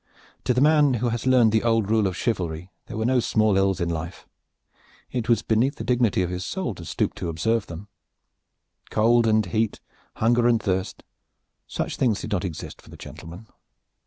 To the man who had learned the old rule of chivalry there were no small ills in life. It was beneath the dignity of his soul to stoop to observe them. Cold and heat, hunger and thirst, such things did not exist for the gentleman.